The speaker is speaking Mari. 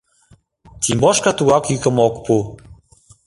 Тимошка тугак йӱкым ок пу.